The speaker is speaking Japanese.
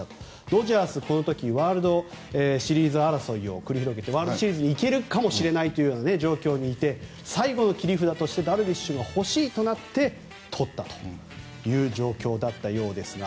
ドジャースこの時、ワールドシリーズ争いを繰り広げて、ワールドシリーズに行けるかもしれないという状況にいて最後の切り札としてダルビッシュが欲しいとなって取ったという状況だったようですが。